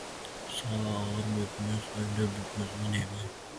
Sag‘ir bo‘pmiz, aybdor bo‘pmizmi, deyman.